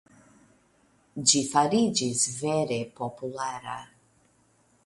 Ĝi fariĝis vere populara.